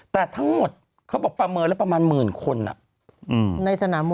แต่ทั้งหมดแบบประเมิดมาลมืนคน